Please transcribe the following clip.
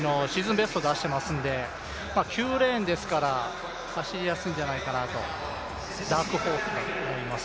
ベスト出してますんで９レーンですから走りやすいんじゃないかなと、ダークホースだと思います。